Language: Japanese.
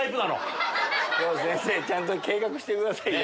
先生ちゃんと計画してくださいよ